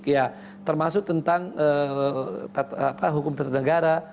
ya termasuk tentang hukum ternegara